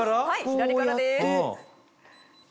左からです。